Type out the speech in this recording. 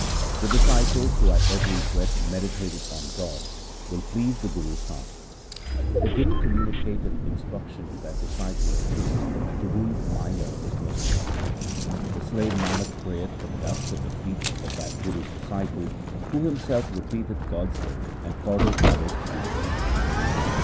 The disciple who at every breath meditateth on God, will please the Guru's heart. The Guru communicateth instruction to that disciple of his to whom my Lord is merciful. The slave Nanak prayeth for the dust of the feet of that Guru's disciple who himself repeateth God's name and causeth others to do so.